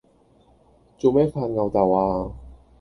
做咩發漚豆呀？